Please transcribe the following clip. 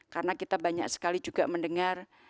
karena kita banyak sekali juga mendengar